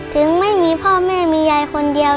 ถึงไม่มีพ่อแม่มียายคนเดียว